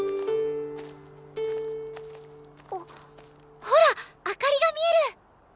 あっほら明かりが見える！